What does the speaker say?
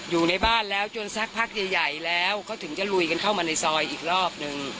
อยู่ในบ้านแล้วจนสักพักใหญ่แล้วเขาถึงจะลุยกันเข้ามาในซอยอีกรอบนึง